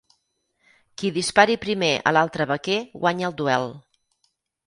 Qui dispari primer a l'altre vaquer guanya el duel.